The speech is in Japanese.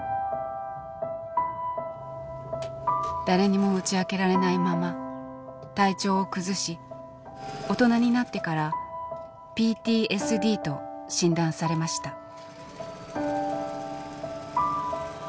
誰にも打ち明けられないまま体調を崩し大人になってからＰＴＳＤと診断されました。